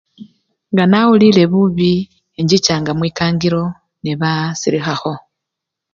Nga nawulile bubi, enchichanga mwikangilo nebaa silikhakho.